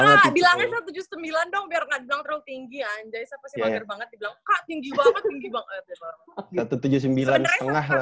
nggak nggak bilang aja satu ratus tujuh puluh sembilan dong biar nggak dibilang terlalu tinggi anjay siapa sih wajar banget dibilang kak tinggi banget tinggi banget